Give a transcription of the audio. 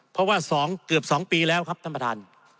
เพราะว่า๒เกือบ๒ปีแล้วครับท่านประธาน